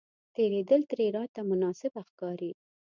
تېرېدل ترې راته نامناسبه ښکاري.